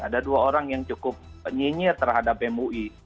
ada dua orang yang cukup nyinyir terhadap mui